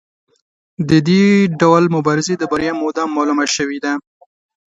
د دې ډول مبارزې د بریا موده معلومه شوې ده.